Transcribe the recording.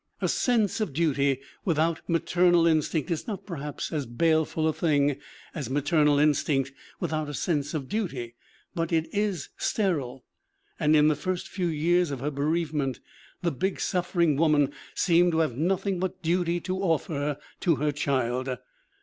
A sense of duty without maternal instinct is not, perhaps, as baleful a thing as maternal instinct without a sense of duty, but it is sterile; and in the first few years of her bereavement, the big, suffering woman seemed to have nothing but duty to offer to her child.